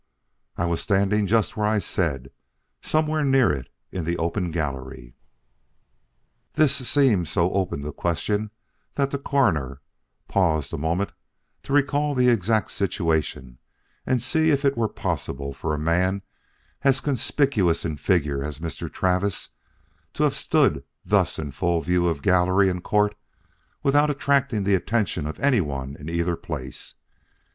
"I was standing just where I said, somewhere near it in the open gallery." This seemed so open to question that the Coroner paused a moment to recall the exact situation and see if it were possible for a man as conspicuous in figure as Mr. Travis to have stood thus in full view of gallery and court, without attracting the attention of anyone in either place.